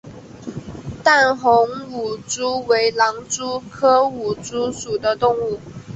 淡红舞蛛为狼蛛科舞蛛属的动物。